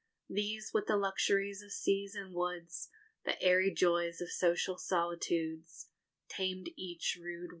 _These, with the luxuries of seas and woods, The airy joys of social solitudes, _Tamed each rude wanderer.